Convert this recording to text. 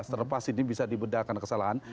terlepas ini bisa dibedakan kesalahan